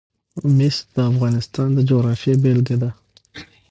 مس د افغانستان د جغرافیې بېلګه ده.